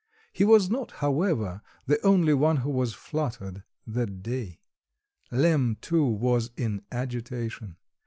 He was not, however, the only one who was fluttered that day; Lemm, too, was in agitation.